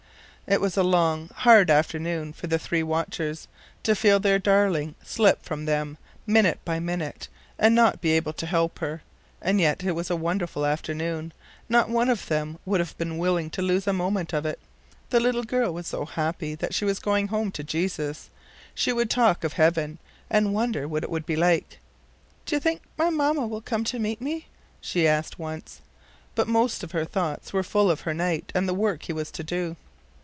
" It was a long, hard afternoon for the three watchers—to feel their darling slipping from them, minute by minute, and not be able to help her; and yet it was a wonderful afternoon. Not one of them would have been willing to lose a moment of it. The little girl was so happy that she was going home to Jesus. She would talk of heaven, and wonder what it would be like. "Do you think my mamma will come to meet me?" she asked once. But most of her thoughts were full of her knight and the work he was to do.